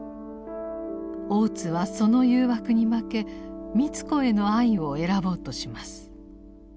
大津はその誘惑に負け美津子への愛を選ぼうとします。